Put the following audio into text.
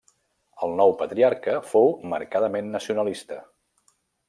El nou patriarca fou marcadament nacionalista.